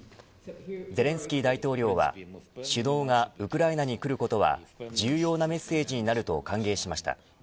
ゼレンスキー大統領は首脳がウクライナに来ることは重要なメッセージになると歓迎しました。